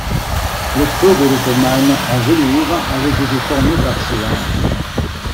Le creux de l'ottomane en velours avait été formé par ses hanches.